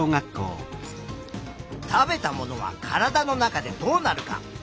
「食べたものは体の中でどうなるか」。